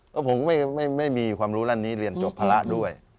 แล้วผมไม่มีความรู้ด้านนี้เรียนจบภาระด้วย